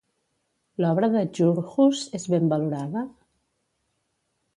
L'obra de Djurhuus és ben valorada?